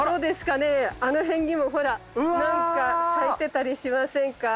あの辺にもほらなんか咲いてたりしませんか。